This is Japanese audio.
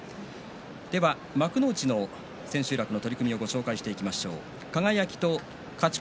では幕内の千秋楽の取組をご紹介していきましょう。